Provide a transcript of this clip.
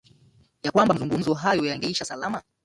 ya kwamba mazungumzo hayo yangeisha salama